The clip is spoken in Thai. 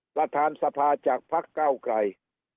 ประธานสภาจากพักเก้าไกร